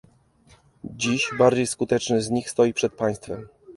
Dziś bardziej skuteczny z nich stoi przed państwem